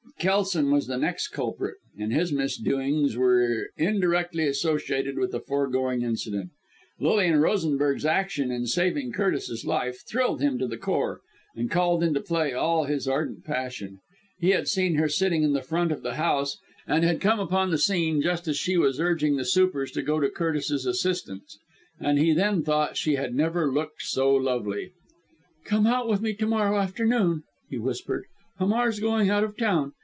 Kelson was the next culprit; and his misdoings were indirectly associated with the foregoing incident. Lilian Rosenberg's action in saving Curtis's life, thrilled him to the core, and called into play all his ardent passion. He had seen her sitting in the front of the house, and had come upon the scene just as she was urging the supers to go to Curtis's assistance; and he then thought she had never looked so lovely. "Come out with me to morrow afternoon," he whispered. "Hamar's going out of town!"